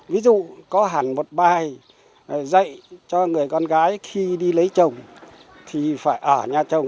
ví dụ có hẳn một bài dạy cho người con gái khi đi lấy chồng thì phải ở nhà chồng